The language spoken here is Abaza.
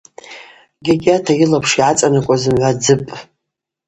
Гьагьата йылапш йгӏацӏанакӏуа зымгӏва дзыпӏ.